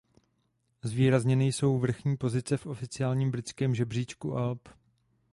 Zvýrazněny jsou vrchní pozice v oficiálním britském žebříčku alb.